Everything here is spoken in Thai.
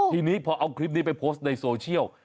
ทีนี้พอเอาคลิปนี้ไปโพสต์ในโซเชียล